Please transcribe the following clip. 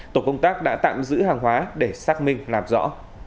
tổ công tác đã tạm giữ hàng hóa để xác minh làm rõ